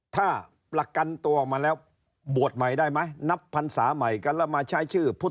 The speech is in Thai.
ถ้าประกันตัวมาแล้ว